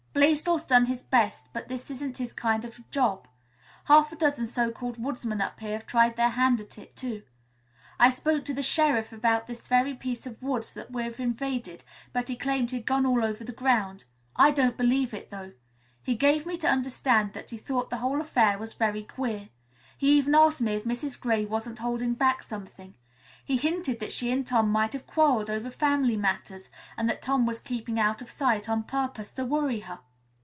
Blaisdell's done his best, but this isn't his kind of a job. Half a dozen so called woodsmen up here have tried their hand at it, too. I spoke to the sheriff about this very piece of woods that we've invaded, but he claimed he'd gone all over the ground. I don't believe it, though. He gave me to understand that he thought the whole affair was very queer. He even asked me if Mrs. Gray wasn't holding back something. He hinted that she and Tom might have quarreled over family matters and that Tom was keeping out of sight on purpose to worry her.